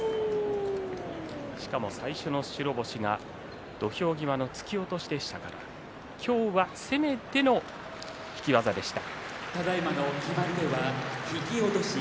しかも、最初の白星が土俵際の突き落としでしたから今日は攻めての引き技でした。